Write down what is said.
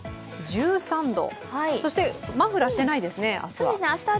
１３度、そして、マフラーしてないですね明日は。